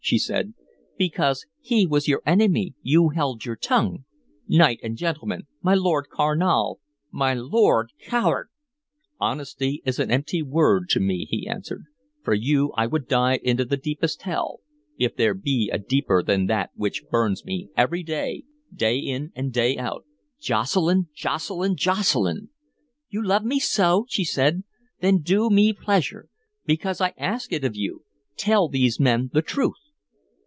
she said. "Because he was your enemy, you held your tongue? Knight and gentleman my Lord Carnal my Lord Coward!" "Honor is an empty word to me," he answered. "For you I would dive into the deepest hell, if there be a deeper than that which burns me, day in, day out.... Jocelyn, Jocelyn, Jocelyn!" "You love me so?" she said. "Then do me pleasure. Because I ask it of you, tell these men the truth."